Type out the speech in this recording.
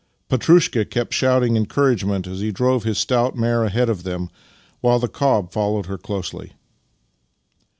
Petrushka kept shouting en couragement as he drove his stout mare ahead of them, while the cob followed her closely.